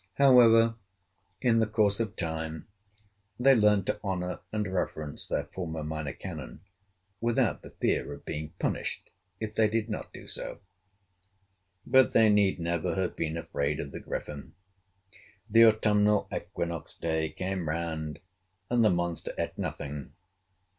However, in the course of time, they learned to honor and reverence their former Minor Canon without the fear of being punished if they did not do so. But they need never have been afraid of the Griffin. The autumnal equinox day came round, and the monster ate nothing.